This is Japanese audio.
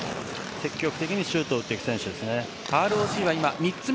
積極的にシュートを打っていく選手ですね。